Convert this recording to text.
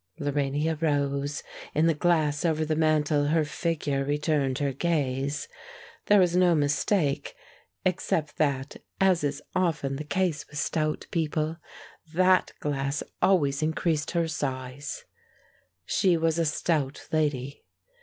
Lorania rose; in the glass over the mantel her figure returned her gaze. There was no mistake (except that, as is often the case with stout people, that glass always increased her size), she was a stout lady.